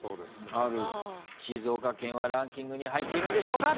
静岡県はランキングに入っているんでしょうか？